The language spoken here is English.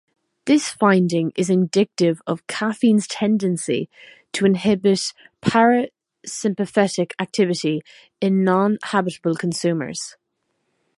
This finding is indicative of caffeine's tendency to inhibit parasympathetic activity in non-habitual consumers.